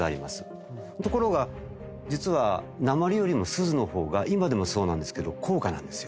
ところが実は鉛よりも錫の方が今でもそうなんですけど高価なんですよ。